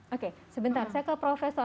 oke sebentar saya ke profesor